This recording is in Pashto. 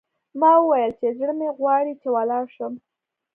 ما وویل چې، زړه مې غواړي چې ولاړ شم.